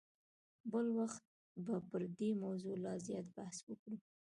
بل وخت به پر دې موضوع لا زیات بحث وکړو.